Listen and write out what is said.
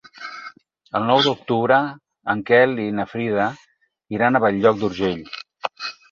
El nou d'octubre en Quel i na Frida iran a Bell-lloc d'Urgell.